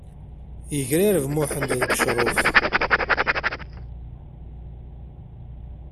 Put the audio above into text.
Yegrareb Muḥend deg ucruf.